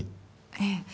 ええ。